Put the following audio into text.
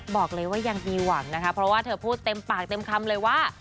บอกเลยว่ายังมีหวังนะคะเพราะว่าเธอพูดเต็มปากเต็มคำเลยว่า